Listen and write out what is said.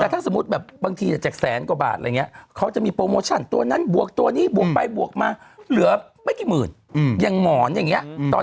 แต่ถ้าสมมติบางทีจะจากแสนกว่าบาทอะไรอย่างนี้